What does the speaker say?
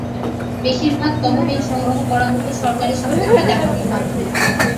বেশিরভাগ তহবিল সংগ্রহ করা হতো সরকারি সম্পত্তি ডাকাতির মাধ্যমে।